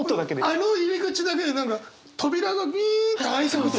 あの入り口だけで何か扉がウィンって開いた。